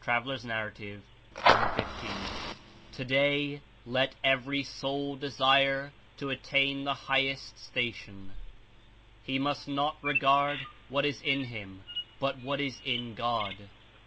N. 1 1 S ) "Today let every soul desire to attain the highest station. He must not regard what is in him but what is in God.